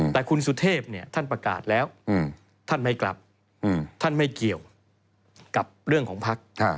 แต่คุณสุเทพท่านประกาศแล้วท่านไม่กลับท่านไม่เกี่ยวกับเรื่องของพัก